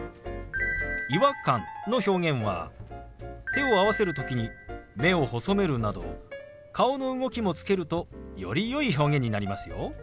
「違和感」の表現は手を合わせる時に目を細めるなど顔の動きもつけるとよりよい表現になりますよ。